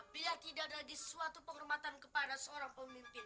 jika tidak ada di suatu penghormatan kepada seorang pemimpin